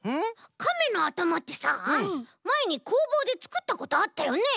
カメのあたまってさまえにこうぼうでつくったことあったよね？